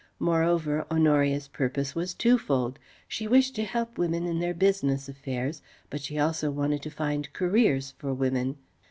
Moreover Honoria's purpose was two fold. She wished to help women in their business affairs, but she also wanted to find careers for women.